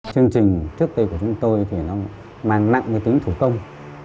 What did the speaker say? chương trình trước đây của chúng tôi thì nó mang nặng cái tính thủ công